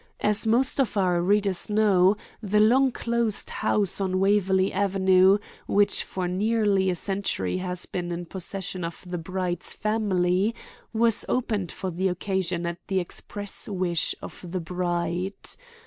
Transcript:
As most of our readers know, the long closed house on Waverley Avenue, which for nearly a century has been in possession of the bride's family, was opened for the occasion at the express wish of the bride.